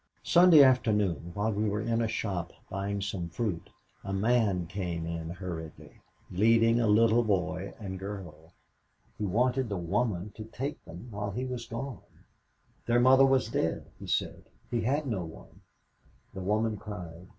Sunday afternoon while we were in a shop buying some fruit, a man came in hurriedly, leading a little boy and girl. He wanted the woman to take them while he was gone. Their mother was dead, he said. He had no one. The woman cried.